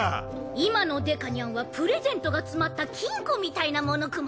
今のデカニャンはプレゼントが詰まった金庫みたいなものクマ。